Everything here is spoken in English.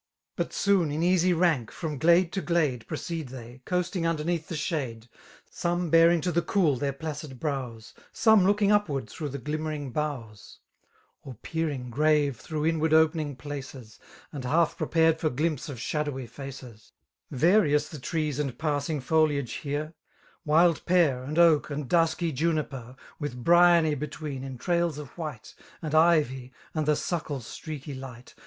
But soon in easy rank^ l^om glade to glade^ Proceed they, coasting underneath the shade> Some baring to the cool their pladd brows^ Some looking upward through l^e glimmering boughs, D 2 36 Or peering^ gnrre t&^n^ imvtt«i*«iieBiiig' pliMs, And half ps^pared for ^iimip&6 of ,8iuMk>wy llEi<^; ' Various the trees and passing fdliage here^ ^ Wild pear, and oak, and dusky juniper^ With briony between in trails of white. And ivy, and the suckle's streaky light.